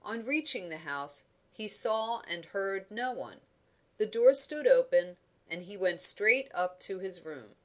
On reaching the house, he saw and heard no one; the door stood open, and he went straight up to his room.